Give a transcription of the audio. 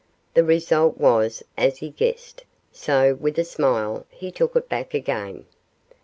The result was as he guessed; so, with a smile, he took it back again.